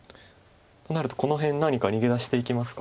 となるとこの辺何か逃げ出していきますか。